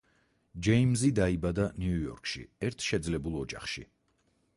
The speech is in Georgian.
ჯეიმზი დაიბადა ნიუ-იორკში ერთ შეძლებულ ოჯახში.